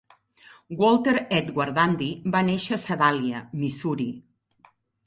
Walter Edward Dandy va néixer a Sedàlia, Missouri.